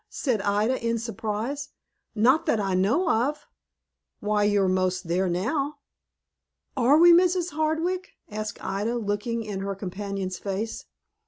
said Ida, in surprise. "Not that I know of." "Why, you're most there now." "Are we, Mrs. Hardwick?" asked Ida, looking in her companion's face.